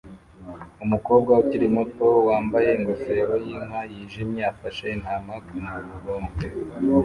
Umukobwa ukiri muto wambaye ingofero yinka yijimye afashe intama kumurongo